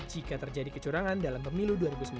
jika terjadi kecurangan dalam pemilu dua ribu sembilan belas